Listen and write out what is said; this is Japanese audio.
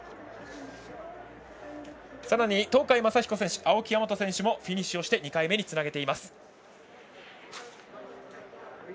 さらに東海将彦選手青木大和選手もフィニッシュをして２回目につなげています。